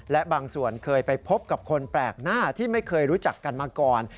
และบางส่วนเคยไปพบกับคนแปลกหน้าที่ไม่เคยรู้จักกันมาก่อน